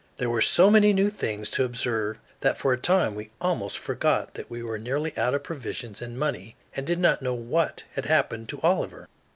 There were so many new things to observe that for a time we almost forgot that we were nearly out of provisions and money and did not know what had happened to Oliver.